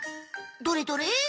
どれどれ？